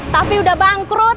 tapi udah bangkrut